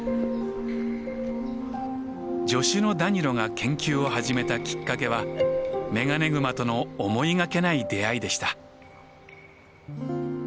助手のダニロが研究を始めたきっかけはメガネグマとの思いがけない出会いでした。